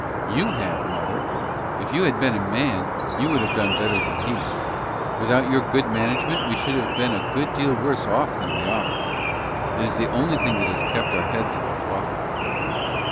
"You have, mother. If you had been a man, you would have done better than he. Without your good management we should have been a good deal worse off than we are. It is the only thing that has kept our heads above water."